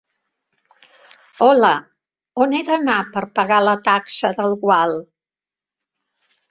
Hola, on he d'anar per pagar la taxa del gual?